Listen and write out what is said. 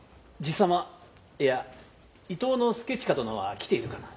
爺様いや伊東祐親殿は来ているかな？